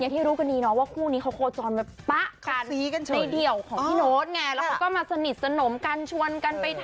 ที่รู้ก็ดีที่คู่นี้เขาโกงไปมาป่ะ